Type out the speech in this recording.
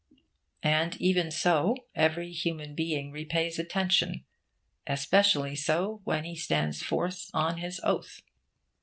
And, even so, every human being repays attention especially so when he stands forth on his oath.